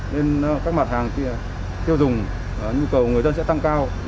nên các mặt hàng tiêu dùng nhu cầu người dân sẽ tăng cao